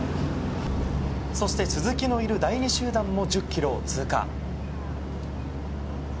そして鈴木のいる第２集団も１０ｋｍを通過。